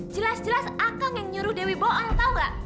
jelas jelas akang yang nyuruh dewi bohong tau gak